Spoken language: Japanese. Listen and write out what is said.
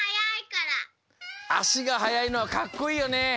あしがはやいのはかっこいいよね。